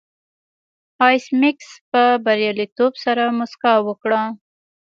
ایس میکس په بریالیتوب سره موسکا وکړه